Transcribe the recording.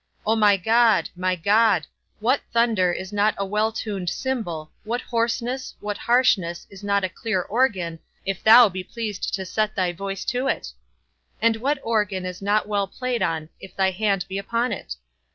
O my God, my God, what thunder is not a well tuned cymbal, what hoarseness, what harshness, is not a clear organ, if thou be pleased to set thy voice to it? And what organ is not well played on if thy hand be upon it?